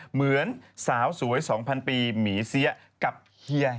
เหมือนสาวสวย๒๐๐ปีหมีเสียกับเฮีย